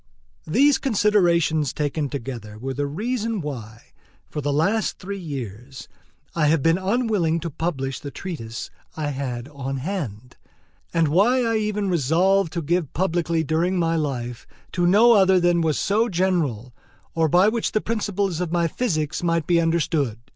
These considerations taken together were the reason why, for the last three years, I have been unwilling to publish the treatise I had on hand, and why I even resolved to give publicity during my life to no other that was so general, or by which the principles of my physics might be understood.